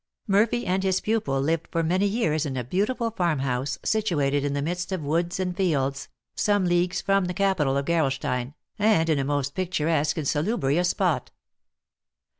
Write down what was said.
Murphy and his pupil lived for many years in a beautiful farmhouse, situated in the midst of woods and fields, some leagues from the capital of Gerolstein, and in a most picturesque and salubrious spot.